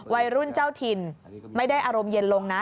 วัยรุ่นเจ้าถิ่นไม่ได้อารมณ์เย็นลงนะ